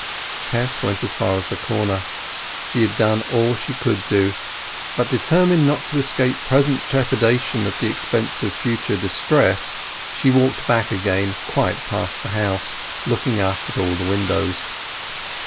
Tess went as far as the corner. She had done all she could do; but determined not to escape present trepidation at the expense of future distress, she walked back again quite past the house, looking up at all the windows.